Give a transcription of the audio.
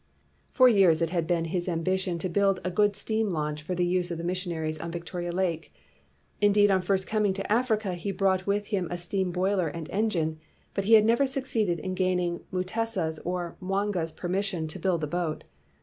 For years it had been his ambition to build a good steam launch for the use of the missionaries on Victoria Lake. Indeed, on first coming to Africa he brought with him a steam boiler and engine, but he had never succeeded in gaining Mutesa's or Mwanga's permission to build the boat.